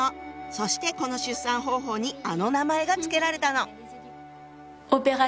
そしてこの出産方法にあの名前が付けられたの。